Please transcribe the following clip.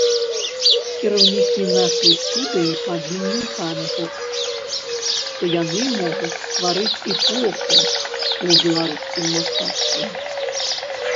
Кіраўнікі нашай студыі павінны памятаць, што яны могуць стварыць эпоху ў беларускім мастацтве.